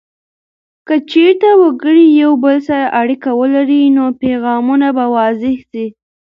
که چیرته وګړي یو بل سره اړیکه ولري، نو پیغامونه به واضح سي.